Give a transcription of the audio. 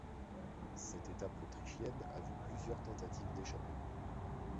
Cette étape autrichienne a vu plusieurs tentatives d'échappée.